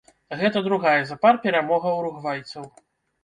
Гэта другая запар перамога уругвайцаў.